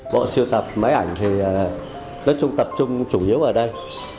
bộ sưu tập máy ảnh thì tập trung chủ yếu ở đây